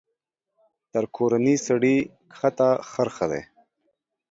تر کورني سړي کښته خر ښه دى.